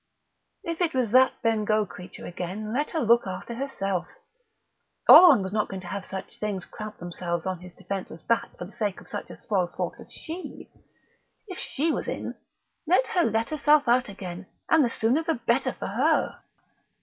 If it was that Bengough creature again, let her look after herself; Oleron was not going to have things cramp themselves on his defenceless back for the sake of such a spoilsport as she!... If she was in, let her let herself out again, and the sooner the better for her!